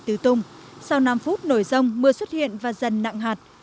tứ tung sau năm phút nổi rông mưa xuất hiện và dần nặng hạt